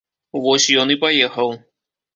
Вось ён і паехаў.